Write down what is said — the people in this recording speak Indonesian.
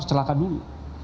terus celaka dulu